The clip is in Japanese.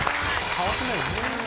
変わってないね。